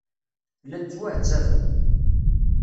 Llan ttwaɛettaben.